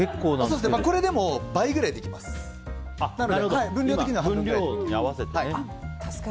これでも倍ぐらいですが分量的には半分で。